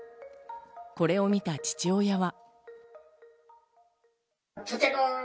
これを見た父親は。